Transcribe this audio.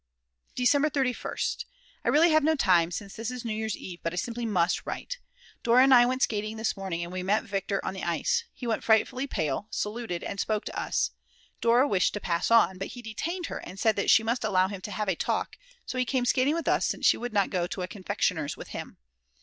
December 31st. I really have no time, since this is New Year's Eve, but I simply must write. Dora and I went skating this morning, and we met Viktor on the ice; he went frightfully pale, saluted, and spoke to us; Dora wished to pass on, but he detained her and said that she must allow him to have a talk, so he came skating with us since she would not go to a confectioner's with him.